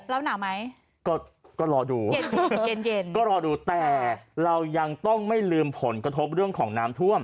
แล้วหนาวไหมก็รอดูเย็นเย็นก็รอดูแต่เรายังต้องไม่ลืมผลกระทบเรื่องของน้ำท่วม